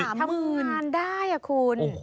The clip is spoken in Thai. เดือนละสามหมื่นทำงานได้อย่างนี้คุณ